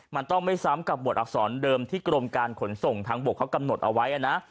มันต้องไม่ซ้ำกับบทอักษรเดิมที่กรมการขนส่งทางบกเขากำหนดเอาไว้นะ